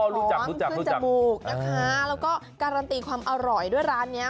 ล้วงขึ้นจมูกนะคะแล้วก็การันตีความอร่อยด้วยร้านเนี้ย